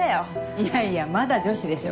いやいやまだ女子でしょ。